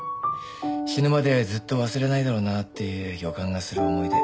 死ぬまでずっと忘れないだろうなって予感がする思い出。